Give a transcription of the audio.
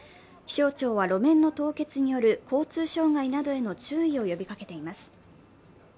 気象庁は、路面の凍結による交通障害などへの注意を呼びかけています。